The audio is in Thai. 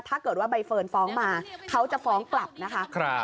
ถ้าเกิดว่าใบเฟิร์นฟ้องมาเขาจะฟ้องกลับนะคะ